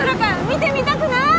見てみたくない？